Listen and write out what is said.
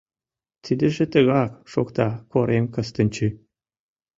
— Тидыже тыгак, — шокта Корем Кыстинчи.